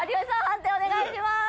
判定お願いします。